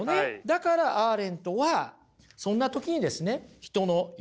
だからアーレントはそんな時にですねあら。